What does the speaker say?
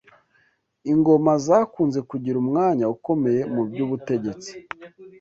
ingoma zakunze kugira umwanya ukomeye mu by’ubutegetsi